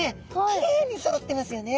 きれいにそろってますよね。